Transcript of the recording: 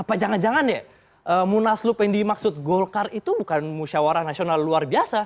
apa jangan jangan ya munaslup yang dimaksud golkar itu bukan musyawarah nasional luar biasa